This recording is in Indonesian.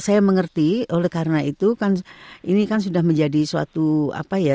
saya mengerti oleh karena itu kan ini kan sudah menjadi suatu apa ya